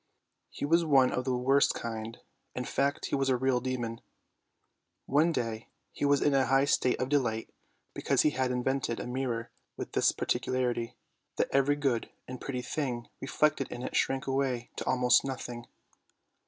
He was one of the worst kind; in fact he was a real demon. One day he was in a high state of delight, because he had invented a mirror with this peculiarity, that every good and pretty thing reflected in it shrank away to almost nothing.